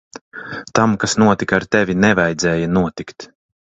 Tam, kas notika ar tevi, nevajadzēja notikt.